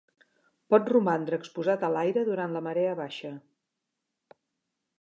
Pot romandre exposat a l'aire durant la marea baixa.